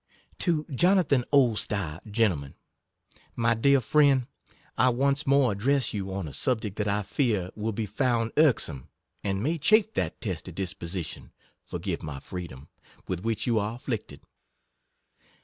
To Jonathan Oldstyle, Gent. My Dear Friend, I once more address you on a subject that 1 fear will be found irksome, and may 53 chafe that testy disposition (forgive my free dom) with which you are afflicted.